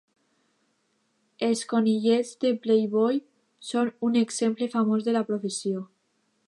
Els conillets de Playboy són un exemple famós de la professió.